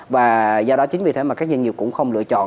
và do đó chính vì thế mà các doanh nghiệp cũng không lựa chọn